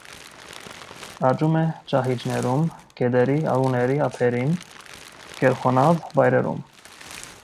Աճում է ճահիճներում, գետերի, առուների ափերին, գերխոնավ վայրերում։